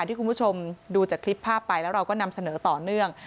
ที่คุณผู้ชมดูจากคลิปภาพไปแล้วเราก็นำเสนอต่อเนื่อง